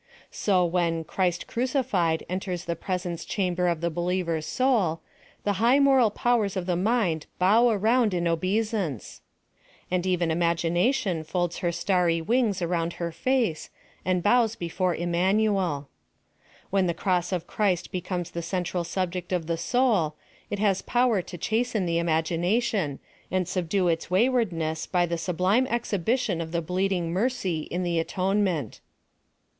So when ' Christ crucified' en enters the presence chamber of the believer's soul, the high mora) powers of the mind bow around in obeisance ; and ever imagination folds her starry 212 PHILOSOPHY OF THE wings around her face, and bows before Immanuel When the cross of Christ becomes the central sub ject of the soul, it has power to chasten the imagi nation, and subdue its waywardness by the sublime exhibition of the bleeding mercy in the atonement.